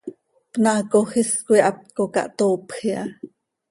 Pnaacöl is coi haptco cahtoopj iha.